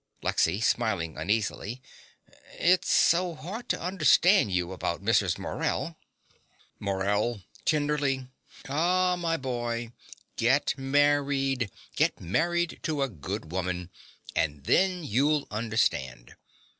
LEXY (smiling uneasily). It's so hard to understand you about Mrs. Morell MORELL (tenderly). Ah, my boy, get married get married to a good woman; and then you'll understand.